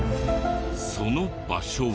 その場所は。